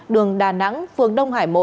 đường đà nẵng phương đông hải một